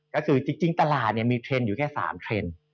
ก็คือจริงตลาดมีเทรนด์อยู่แค่๓เทรนด์